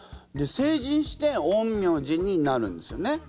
で成人して陰陽師になるんですよね。